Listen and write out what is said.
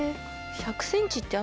１００ｃｍって。